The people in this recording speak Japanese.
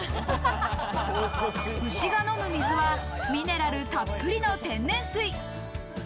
牛が飲む水はミネラルたっぷりの天然水。